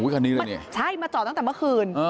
คันนี้เลยเนี่ยใช่มาจอดตั้งแต่เมื่อขึ้น